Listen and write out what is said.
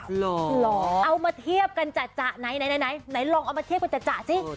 เหรอเอามาเทียบกันจั๊ะจ๊ะไหนไหนไหนไหนลองเอามาเทียบกันจั๊ะจ๊ะสิ